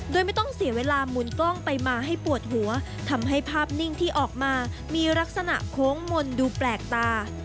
โดยไม่ต้องเสียเวลาหมุนกล้องไปมาให้ปวดหัวทำให้ภาพนิ่งที่ออกมามีลักษณะโค้งมนต์ดูแปลกตา